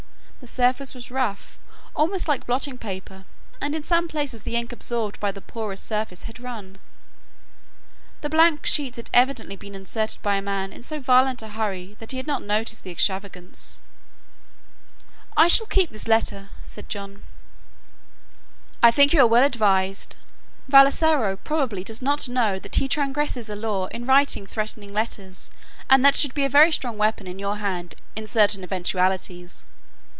The surface was rough almost like blotting paper and in some places the ink absorbed by the porous surface had run. The blank sheets had evidently been inserted by a man in so violent a hurry that he had not noticed the extravagance. "I shall keep this letter," said John. "I think you are well advised. Vassalaro probably does not know that he transgresses a law in writing threatening letters and that should be a very strong weapon in your hand in certain eventualities."